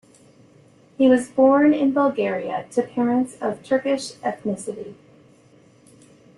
He was born in Bulgaria to parents of Turkish ethnicity.